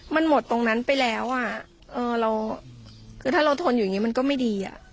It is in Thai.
มันหมดตรงนั้นไปแล้วอ่ะเออเราคือถ้าเราทนอยู่อย่างนี้มันก็ไม่ดีอ่ะ